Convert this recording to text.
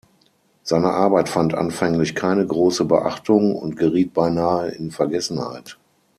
Seine Arbeit fand anfänglich keine große Beachtung und geriet beinahe in Vergessenheit.